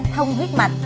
thông huyết mạch